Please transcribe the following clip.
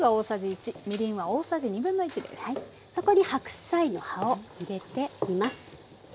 そこに白菜の葉を入れて煮ます。